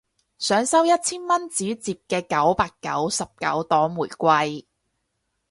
想收一千蚊紙摺嘅九百九十九朵玫瑰